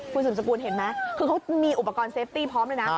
คุณสุมสกุลเห็นไหมคือเขามีอุปกรณ์เซฟตี้พร้อมเลยนะ